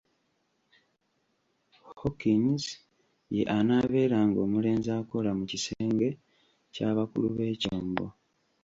Hawkins ye anaabeeranga omulenzi akola mu kisenge ky'abakulu b'ekyombo.